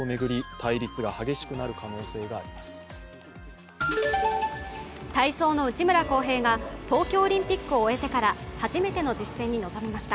体操の内村航平が東京オリンピックを終えてから初めての実戦に臨みました。